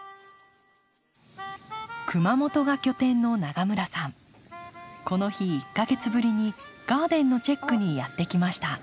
熊本が拠点の永村さんこの日１か月ぶりにガーデンのチェックにやって来ました。